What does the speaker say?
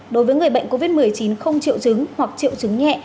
đối với người bệnh covid một mươi chín không triệu chứng hoặc triệu chứng nhẹ